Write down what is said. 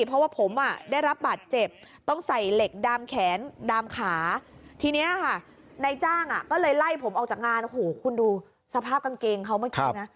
เพราะว่าผมได้รับบาดเจ็บต้องใส่เหล็กดามแขนดามขาทีนี้ค่ะนายจ้างอ่ะก็เลยไล่ผมออกจากงานโอ้โหคุณดูสภาพกางเกงเขาเมื่อกี้นะ